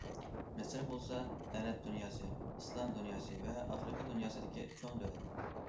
مىسىر بولسا ئەرەب دۇنياسى، ئىسلام دۇنياسى ۋە ئافرىقا دۇنياسىدىكى چوڭ دۆلەت.